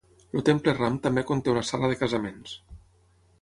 El temple Ram també conté una sala de casaments.